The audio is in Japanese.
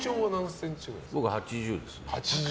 僕、１８０です。